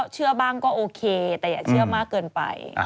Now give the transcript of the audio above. เชื่อมากเกินไป